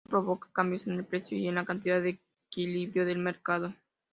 Esto provocará cambios en el precio y en la cantidad de equilibrio del mercado.